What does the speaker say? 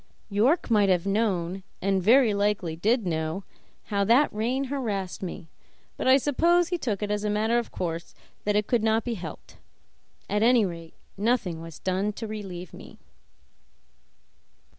York might have known, and very likely did know, how that rein harassed me; but I suppose he took it as a matter of course that it could not be helped; at any rate, nothing was done to relieve me.